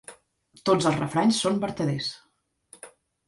Tots els refranys són vertaders.